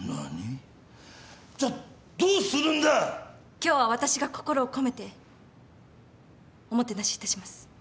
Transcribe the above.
今日は私が心を込めておもてなしいたします。